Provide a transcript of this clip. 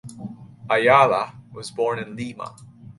Ayala was born in Lima.